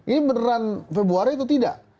ini beneran februari atau tidak